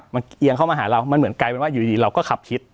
มันเอียงเข้ามาหาเรามันเหมือนกลายเป็นว่าอยู่ดีเราก็ขับคิด